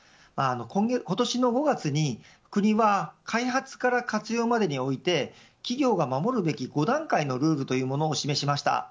今年の５月に国は開発から活用までにおいて企業が守るべき５段階のルールというものを示しました。